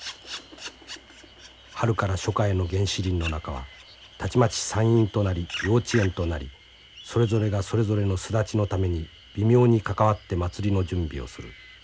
春から初夏への原始林の中はたちまち産院となり幼稚園となりそれぞれがそれぞれの巣立ちのために微妙に関わって祭りの準備をする。